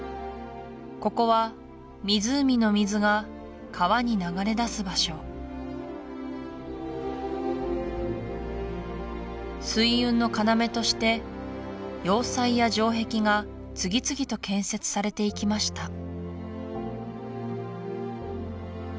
ここは湖の水が川に流れ出す場所水運の要として要塞や城壁が次々と建設されていきました